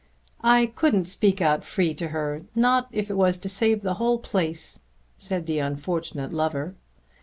"I couldn't speak out free to her, not if it was to save the whole place," said the unfortunate lover.